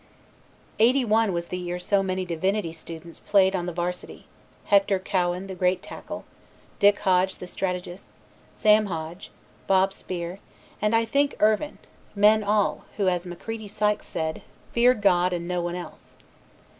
'81 was the year so many Divinity students played on the Varsity: Hector Cowan the great tackle, Dick Hodge the strategist, Sam Hodge, Bob Speer, and I think Irvine; men all, who as McCready Sykes said, "Feared God and no one else."